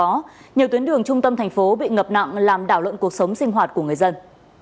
trước đó nhiều tuyến đường trung tâm thành phố bị ngập nặng làm đảo luận cuộc sống sinh hoạt của người dân